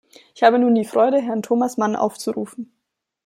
Ich habe nun die Freude, Herrn Thomas Mann aufzurufen.